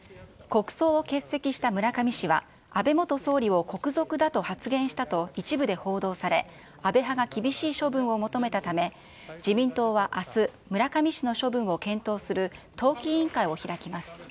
国葬を欠席した村上氏は、安倍元総理を国賊だと発言したと一部で報道され、安倍派が厳しい処分を求めたため、自民党はあす、村上氏の処分を検討する党紀委員会を開きます。